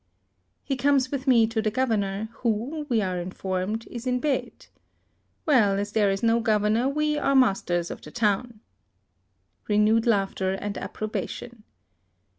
He comes with me to the governor, who, we are informed, is in bed. Well, as there is no governor, we are masters of the town. (Renewed laughter and approbation.)